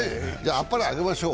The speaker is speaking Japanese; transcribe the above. あっぱれあげましょう。